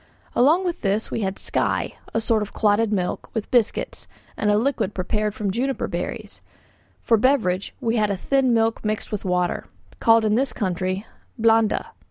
Along with this, we had 'skye,' a sort of clotted milk, with biscuits, and a liquid prepared from juniper berries; for beverage we had a thin milk mixed with water, called in this country 'blanda.'